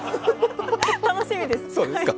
楽しみです。